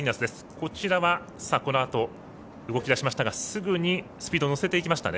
こちらは、動き出しましたがすぐにスピード乗せてきましたね。